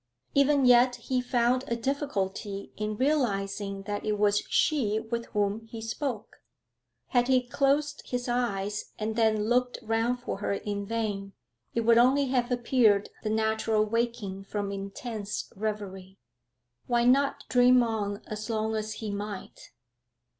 Even yet he found a difficulty in realising that it was she with whom he spoke; had he closed his eyes and then looked round for her in vain it would only have appeared the natural waking from intense reverie. Why not dream on as long as he might?